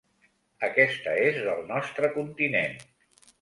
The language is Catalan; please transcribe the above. Aquesta és del nostre continent.